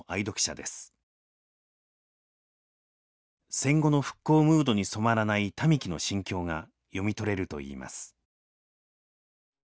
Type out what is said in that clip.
戦後の復興ムードに染まらない民喜の心境が読み取れるといいます。